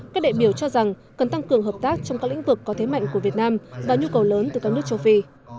các đại biểu cho rằng cần tăng cường hợp tác trong các lĩnh vực có thế mạnh của việt nam và nhu cầu lớn từ các nước châu phi